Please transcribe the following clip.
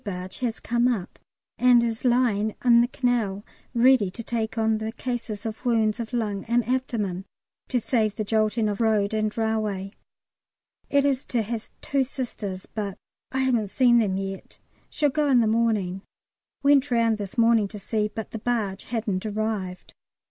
barge has come up, and is lying in the canal ready to take on the cases of wounds of lung and abdomen, to save the jolting of road and railway; it is to have two Sisters, but I haven't seen them yet: shall go in the morning: went round this morning to see, but the barge hadn't arrived.